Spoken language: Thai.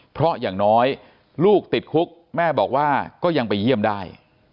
เพราะอย่างน้อยลูกติดคุกแม่บอกว่าก็ยังไปเยี่ยมได้